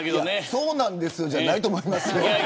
そうなんですよじゃないと思いますよ。